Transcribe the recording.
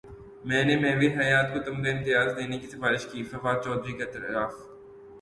میں نے مہوش حیات کو تمغہ امتیاز دینے کی سفارش کی فواد چوہدری کا اعتراف